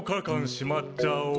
しまっちゃおう。